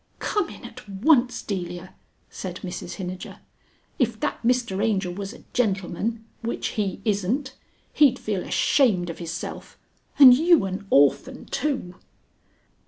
"Come in at once, Delia," said Mrs Hinijer. "If that Mr Angel was a gentleman (which he isn't), he'd feel ashamed of hisself. And you an orphan too!"